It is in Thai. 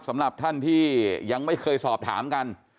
สำหรับท่านที่ยังไม่เคยสอบถามกัน